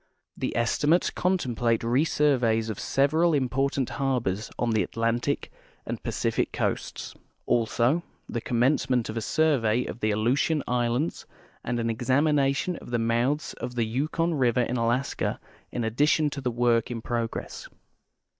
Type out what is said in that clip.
The estimates contemplate resurveys of several important harbors on the Atlantic and Pacific coasts ; also the commencement of a survey of the Aleutian islands and an examination of the mouths of the Yukon river in Alaska in addition to the work in progress.